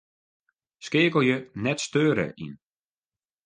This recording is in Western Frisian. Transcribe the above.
Skeakelje 'net steure' yn.